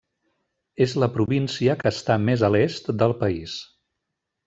És la província que està més a l'est del país.